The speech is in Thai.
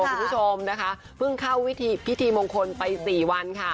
คุณผู้ชมนะคะเพิ่งเข้าพิธีมงคลไป๔วันค่ะ